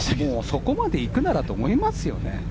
そこまで行くならと思いますけどね。